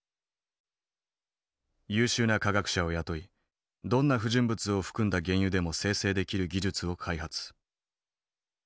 優秀な科学者を雇いどんな不純物を含んだ原油でも精製できる技術を開発。